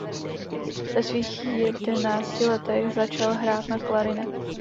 Ve svých jedenácti letech začal hrát na klarinet.